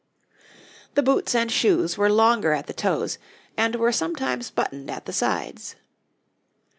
The boots and shoes were longer at the toes, and were sometimes buttoned at the sides.